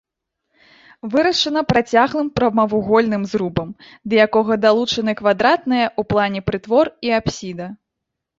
Вырашана працяглым прамавугольным зрубам, да якога далучаны квадратныя ў плане прытвор і апсіда.